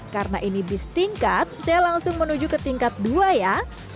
karena ini bus tingkat saya langsung menuju ke tingkat dua ya